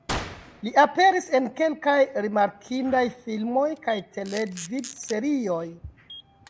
Li aperis en kelkaj rimarkindaj filmoj kaj televidserioj.